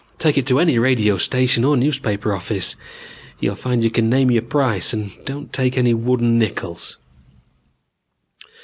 Take it to any radio station or newspaper office. You'll find you can name your price and don't take any wooden nickels.